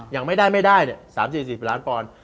อย่างไม่ได้๓๐๔๐ล้านบอล